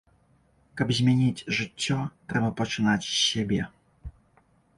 Каб змяніць жыццё, трэба пачынаць з сябе.